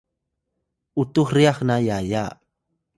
utux ryax na yaya